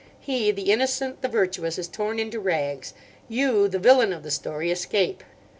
He, the innocent, the virtuous, is torn into rags. You, the villain of the story, escape."